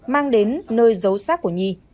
mang đến nơi giấu xác của nhi